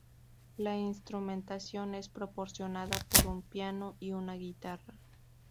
La instrumentación es proporcionada por un piano y una guitarra.